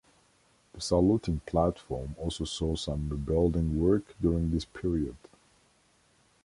The saluting platform also saw some rebuilding work during this period.